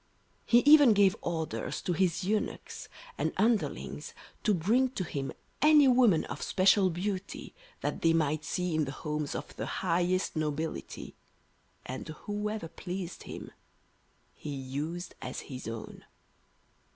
He even gave orders to his eunuchs and underlings to bring to him any women of special beauty that they might see in the homes of the highest nobility, and whoever pleased him he used as his own.